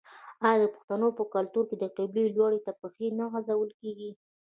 آیا د پښتنو په کلتور کې د قبلې لوري ته پښې نه غځول کیږي؟